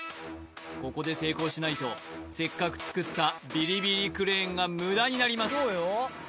ここで成功しないとせっかく作ったビリビリクレーンが無駄になります